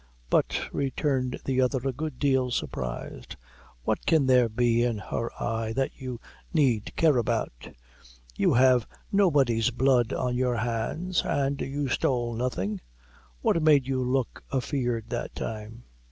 "But," returned the other, a good deal surprised, "what can there be in her eye that you need care about? You have nobody's blood on your hands, an' you stole nothing. What made you look afeard that time?"